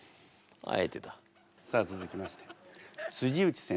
さあ続きまして内先生